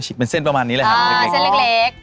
ฉีดเป็นเส้นประมาณนี้เลยค่ะเห็นไหมคะอ๋อเส้นเล็ก